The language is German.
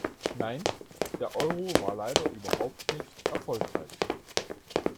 Nein, der Euro war leider überhaupt nicht erfolgreich.